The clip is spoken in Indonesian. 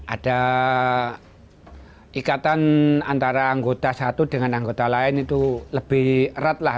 ada ikatan antara anggota satu dengan anggota lain itu lebih erat lah